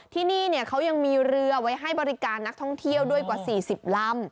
ที่นี่เขายังมีเรือไว้ให้บริการนักท่องเที่ยวด้วยกว่า๔๐ลำ